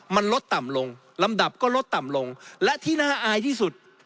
มันลดต่ำลงลำดับก็ลดต่ำลงและที่น่าอายที่สุด